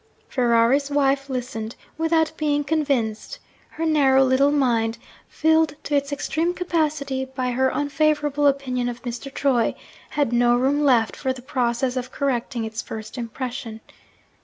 Ferrari's wife listened, without being convinced: her narrow little mind, filled to its extreme capacity by her unfavourable opinion of Mr. Troy, had no room left for the process of correcting its first impression.